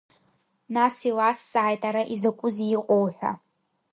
Нас илазҵааит ара изакәызеи иҟоу ҳәа.